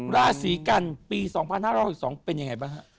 ราศีกรรณ์ปี๒๕๑๒เป็นยังไงบ้าง